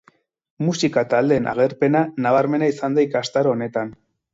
Musika taldeen agerpena nabarmena izan da ikastaro honetan.